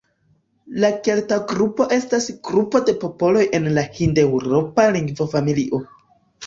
La kelta grupo estas grupo de popoloj en la hindeŭropa lingvofamilio.